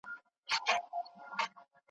زما وطن پر مرګ پېرزوی دی نه قدرت د ابوجهل `